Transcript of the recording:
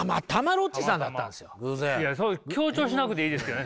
いやそう強調しなくていいですけどね